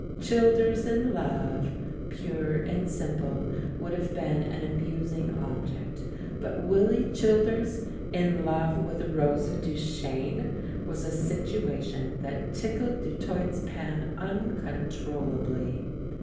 "Childers in love," pure and simple, would have been an amusing object, but Willy Childers in love with Rosa Duchene was a situation that tickled Du THE LAURELS AND THE LADY 101 Toit's Pan uncontrollably.